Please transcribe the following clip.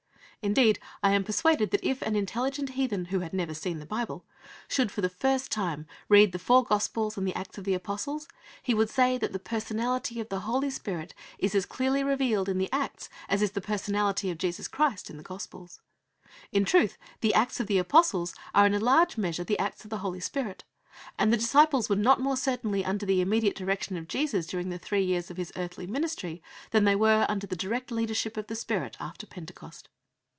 Indeed, I am persuaded that if an intelligent heathen, who had never seen the Bible, should for the first time read the four Gospels and the Acts of the Apostles, he would say that the personality of the Holy Spirit is as clearly revealed in the Acts as is the personality of Jesus Christ in the Gospels. In truth, the Acts of the Apostles are in a large measure the acts of the Holy Spirit, and the disciples were not more certainly under the immediate direction of Jesus during the three years of His earthly ministry than they were under the direct leadership of the Spirit after Pentecost.